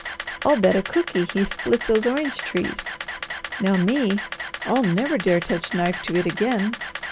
I'll bet a cooky he split those orange trees. Now me I'll never dare touch knife to it again.